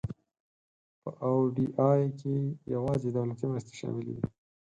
په او ډي آی کې یوازې دولتي مرستې شاملې وي.